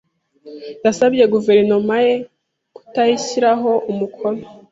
Yasabye guverinoma ye kutayishyiraho umukono.